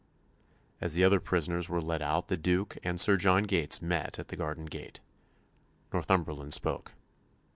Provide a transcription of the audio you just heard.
As the other prisoners were led out the Duke and Sir John Gates met at the garden gate. Northumberland spoke.